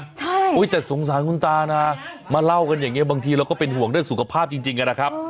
ใช่แต่สงสารคุณตานะมาเล่ากันอย่างนี้บางทีเราก็เป็นห่วงเรื่องสุขภาพจริงนะครับ